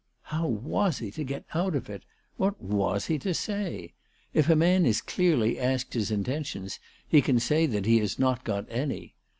How was he to get out of it ? What was he to say ? If a man is clearly asked his intentions he can say that he has not got any.